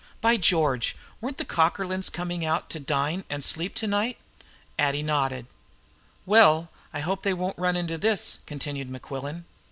By George! Weren't the Cockerlynes coming out to dine and sleep to night?" Addie nodded. "Well, I hope they won't run into this," continued Mequillen.